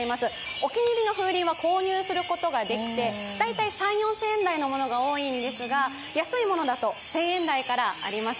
お気に入りの風鈴は購入することができて、大体３０００４０００円台のものが多いんですが安いものだと１０００円台からあります。